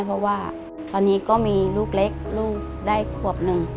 เพราะว่าตอนนี้ก็มีลูกเล็กลูกได้ครอบ๑